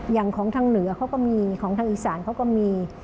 อย่างของทางเหนือเขาก็มีของทางอีสานเขาก็มี